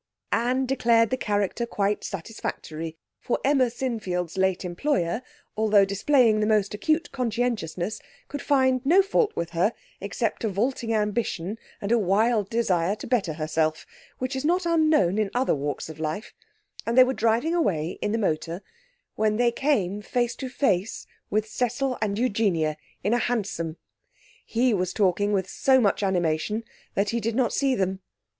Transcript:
Anne declared the character quite satisfactory, for Emma Sinfield's late employer, although displaying the most acute conscientiousness, could find no fault with her except a vaulting ambition and wild desire to better herself, which is not unknown in other walks of life, and they were driving away in the motor when they came face to face with Cecil and Eugenia in a hansom. He was talking with so much animation that he did not see them.